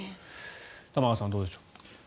玉川さんどうでしょう。